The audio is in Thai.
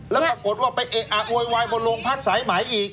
แล้วปรากฏว่าไปเอะอะโวยวายบนโรงพักสายไหมอีก